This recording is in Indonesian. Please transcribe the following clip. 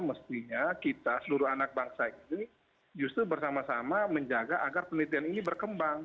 mestinya kita seluruh anak bangsa ini justru bersama sama menjaga agar penelitian ini berkembang